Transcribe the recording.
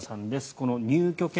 この入居権